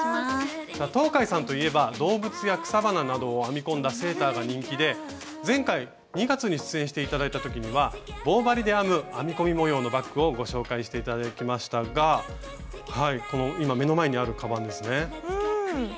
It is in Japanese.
東海さんといえば動物や草花などを編み込んだセーターが人気で前回２月に出演して頂いた時には棒針で編む編み込み模様のバッグをご紹介して頂きましたがこの今目の前にあるカバンですね。